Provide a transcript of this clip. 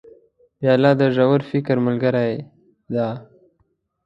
پیاله د ژور فکر ملګرې ده.